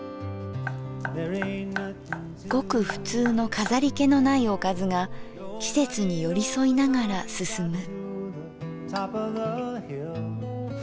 ごくふつうの飾り気のないおかずが季節に寄り添いながら進む。